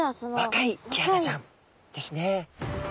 若いキハダちゃんですね。